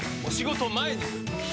お仕事前に！